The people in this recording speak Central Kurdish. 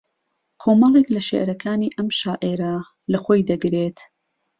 کۆمەڵێک لە شێعرەکانی ئەم شاعێرە لە خۆی دەگرێت